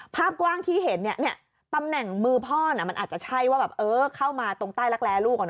ภาพกว้างที่เห็นตำแหน่งมือพ่อมันอาจจะใช่ว่าแบบเข้ามาตรงใต้รักแร้ลูก